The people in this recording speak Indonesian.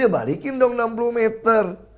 ya balikin dong enam puluh meter